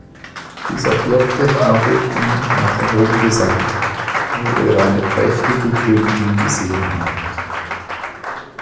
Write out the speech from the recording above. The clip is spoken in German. Dieser Hirte habe ihn nach Rom gesandt, wo er eine prächtige Königin gesehen habe.